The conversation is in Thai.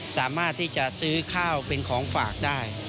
สามารถที่จะซื้อข้าวเป็นของฝากได้